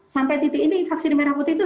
sampai titik ini vaksin merah putih itu